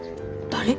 誰？